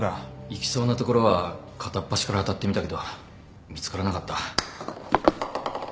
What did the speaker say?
行きそうな所は片っ端から当たってみたけど見つからなかった。